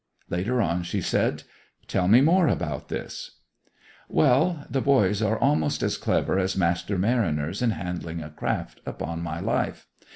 Later on she said: 'Tell me more about this.' 'Well, the boys are almost as clever as master mariners in handling a craft, upon my life!